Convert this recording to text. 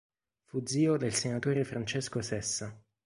Fu zio del senatore Francesco Sessa.